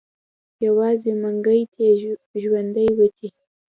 يوازې منګلی تې ژوندی وتی.